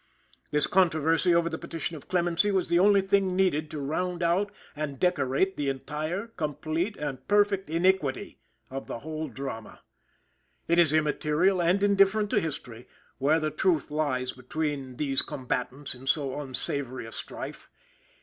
This controversy over the petition of clemency was the only thing needed to round out and decorate the entire, complete and perfect iniquity of the whole drama. It is immaterial and indifferent to history where the truth lies between these combatants in so unsavory a strife.